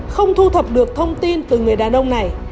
không thu thập được thông tin từ người đàn ông này